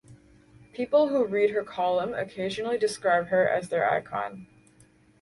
People who read her column occasionally describe her as their icon.